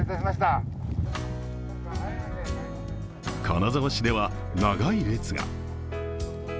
金沢市では長い列が。